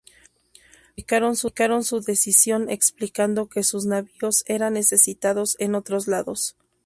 Justificaron su decisión explicando que sus navíos eran necesitados en otros lados.